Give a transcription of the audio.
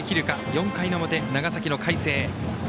４回の表、長崎の海星。